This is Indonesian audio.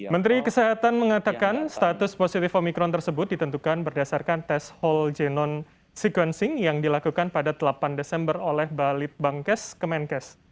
menteri kesehatan mengatakan status positif omikron tersebut ditentukan berdasarkan tes whole genome sequencing yang dilakukan pada delapan desember oleh balit bangkes kemenkes